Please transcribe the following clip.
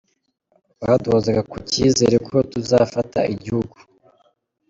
Baduhozaga ku cyizere ko tuzafata igihugu”.